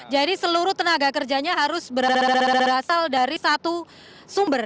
jadi seluruh tenaga kerjanya harus berasal dari satu sumber